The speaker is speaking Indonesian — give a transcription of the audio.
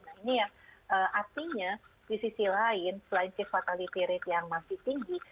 nah ini yang artinya di sisi lain selain case fatality rate yang masih tinggi